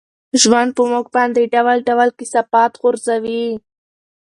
ژوند په موږ باندې ډول ډول کثافات غورځوي.